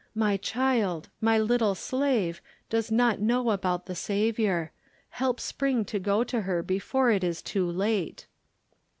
My child, my little Slave, does not know about the Saviour. Help Spring to go to her before it is too late."